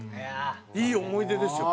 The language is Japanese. いい思い出ですよ。